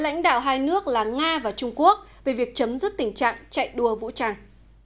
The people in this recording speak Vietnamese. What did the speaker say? lãnh đạo hai nước là nga và trung quốc về việc chấm dứt tình trạng chạy đua vũ trang